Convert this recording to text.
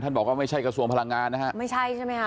ท่านบอกว่าไม่ใช่กระทรวงพลังงานนะครับ